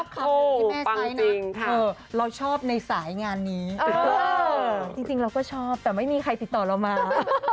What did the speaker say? แต่ครั้งที่ถูกแล้วก็ไม่ได้คุ้มทุนแต่ว่าก็มีความสวย